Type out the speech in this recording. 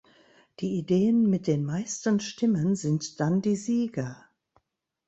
Die Ideen mit den meisten Stimmen sind dann die Sieger.